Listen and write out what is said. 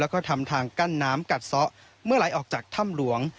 แล้วก็ทำทางกั้นน้ำกัดซ้อเมื่อไหลออกจากถ้ำหลวง